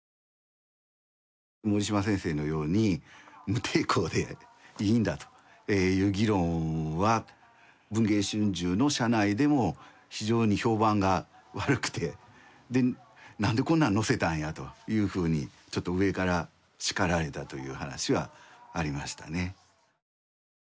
森嶋先生のように無抵抗でいいんだという議論は文藝春秋の社内でも非常に評判が悪くてで「なんでこんなん載せたんや」というふうにちょっと上から叱られたという話はありましたね。